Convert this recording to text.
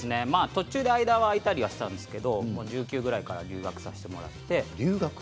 途中でちょっと空いたりしたんですけれども１９くらいから留学させてもらって。